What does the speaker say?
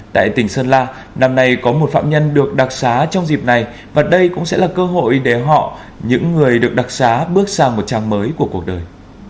tại tỉnh sơn la năm nay có một phạm nhân được đặc xá trong dịp này và đây cũng sẽ là cơ hội để họ những người được đặc xá bước sang một trang mới của cuộc đời